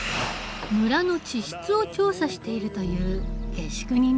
村の地質を調査しているという下宿人のネイト。